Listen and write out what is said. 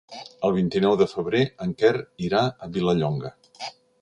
El vint-i-nou de febrer en Quer irà a Vilallonga.